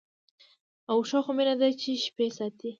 او شوخه مینه ده چي شپې ساتي